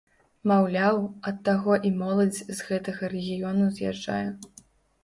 Маўляў, ад таго і моладзь з гэтага рэгіёну з'язджае.